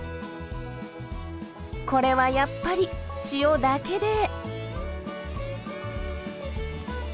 これはやっぱり塩だけで。